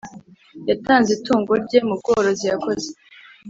yatanze itungo rye mu bworozi yakoze